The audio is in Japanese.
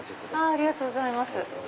ありがとうございます。